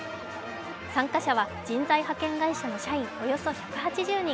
参加者は人材派遣会社の社員およそ１８０人。